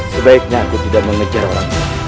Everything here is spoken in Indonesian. sebaiknya aku tidak mengejar orang